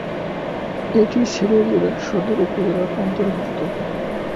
এটি সিলেট জেলার সদর উপজেলার অন্তর্ভুক্ত।